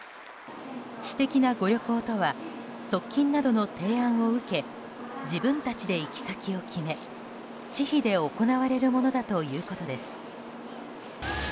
私的なご旅行とは側近などの提案を受け自分たちで行き先を決め私費で行われるものだということです。